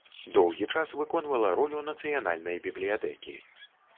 Доўгі час выконвала ролю нацыянальнай бібліятэкі.